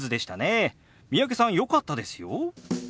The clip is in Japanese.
三宅さんよかったですよ。